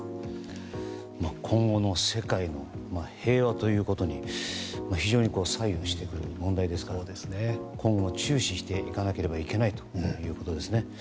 今後の世界の平和ということに非常に左右してくる問題ですから今後も注視していかなければいけないということですね。